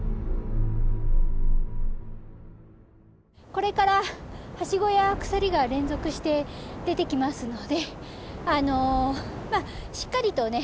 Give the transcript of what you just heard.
これからはしごや鎖が連続して出てきますのでしっかりとね